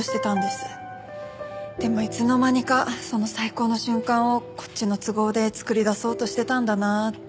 でもいつの間にかその最高の瞬間をこっちの都合で作り出そうとしてたんだなって。